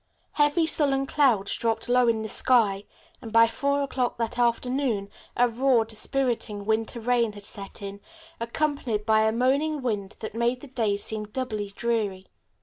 Heavy, sullen clouds dropped low in the sky, and by four o'clock that afternoon a raw, dispiriting winter rain had set in, accompanied by a moaning wind that made the day seem doubly dreary.